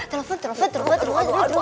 telepon telepon telepon aduh aduh aduh